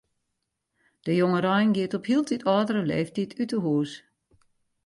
De jongerein giet op hieltyd âldere leeftiid út 'e hûs.